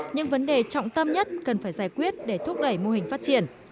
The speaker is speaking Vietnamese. những vấn đề trọng tâm nhất cần phải giải quyết để thúc đẩy mô hình phát triển